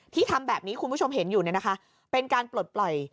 ทำแบบนี้คุณผู้ชมเห็นอยู่เนี่ยนะคะเป็นการปลดปล่อย